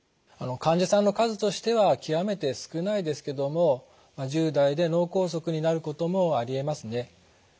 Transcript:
患者さんの数としては極めて少ないですけども１０代で脳梗塞になることもありえますね。